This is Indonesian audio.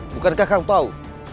bukankah kau tahu